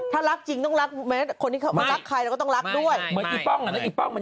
ถ้ารักจริงต้องรักไม้เค้าละใครมันก็ต้องรักด้วย